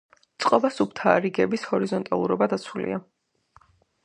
წყობა სუფთაა, რიგების ჰორიზონტალურობა დაცულია.